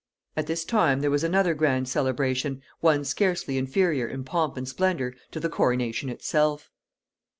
At this time there was another grand celebration, one scarcely inferior in pomp and splendor to the coronation itself.